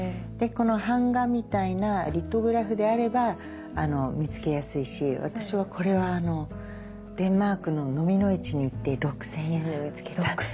でこの版画みたいなリトグラフであれば見つけやすいし私はこれはデンマークの蚤の市に行って６，０００円で見つけた。